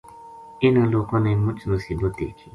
اِنھاں لوکاں نے مُچ مصیبت دیکھی